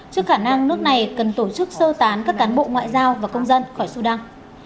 trước khả năng nước này cần tổ chức sơ tán các cán bộ ngoại giao và công dân khỏi sudan